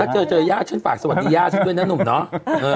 เจอเจอย่าฉันฝากสวัสดีย่าฉันด้วยนะหนุ่มเนาะ